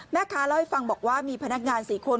แม่ค้าเล่าให้ฟังบอกว่ามีพนักงาน๔คน